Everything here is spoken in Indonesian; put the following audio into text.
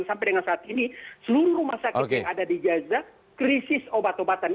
sampai dengan saat ini seluruh rumah sakit yang ada di gaza krisis obat obatan